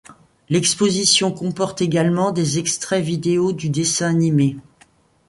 L'exposition comporte également des extraits vidéo du dessin animé.